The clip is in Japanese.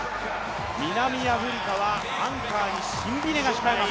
南アフリカはアンカーにシンビネが控えます。